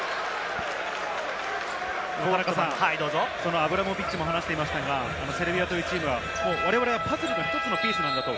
アブラモビッチも話していましたが、セルビアというチームは、我々はパズルの１つのピースなんだと。